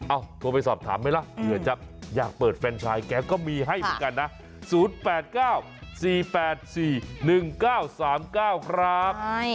โทรไปสอบถามไหมล่ะเผื่อจะอยากเปิดแฟนชายแกก็มีให้เหมือนกันนะ๐๘๙๔๘๔๑๙๓๙ครับ